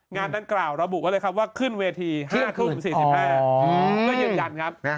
งานดังกล่าวระบุไว้เลยครับว่าขึ้นเวที๕ทุ่ม๔๕ก็ยืนยันครับ